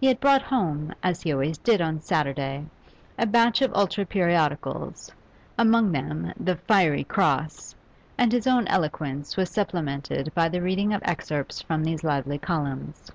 He had brought home, as he always did on Saturday, a batch of ultra periodicals, among them the 'Fiery Cross,' and his own eloquence was supplemented by the reading of excerpts from these lively columns.